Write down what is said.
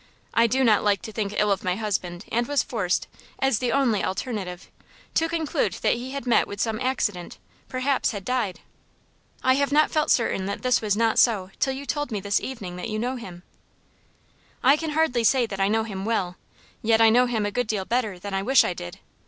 I do not like to think ill of my husband, and was forced, as the only alternative, to conclude that he had met with some accident, perhaps had died. I have not felt certain that this was not so till you told me this evening that you know him." "I can hardly say that I know him well, yet I know him a good deal better than I wish I did.